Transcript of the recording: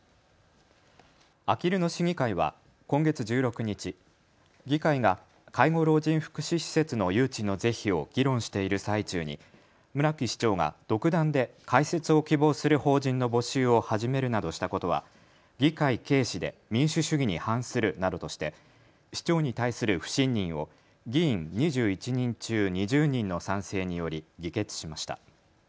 あきる野市議会は今月１６日、議会が介護老人福祉施設の誘致の是非を議論している最中に村木市長が独断で開設を希望する法人の募集を始めるなどしたことは議会軽視で民主主義に反するなどとして市長に対する不信任を議員２１人中２０人の賛成により議決しました。